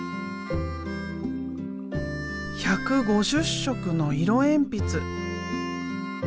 １５０色の色鉛筆。